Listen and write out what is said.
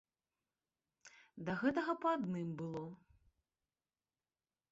Да гэтага па адным было.